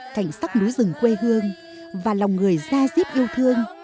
cảnh sắc núi rừng quê hương và lòng người ra diết yêu thương